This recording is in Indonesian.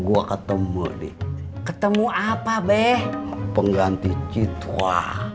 gua ketemu di ketemu apa beh pengganti citwa